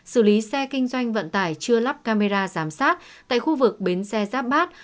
xử lý xe kinh doanh vận tải chưa lắp camera giám sát tại khu vực bến xe giáp bát